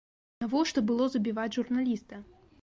Навошта было забіваць журналіста?